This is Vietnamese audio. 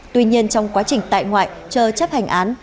tuy nhiên trong quá trình tại ngoại chờ chấp hành án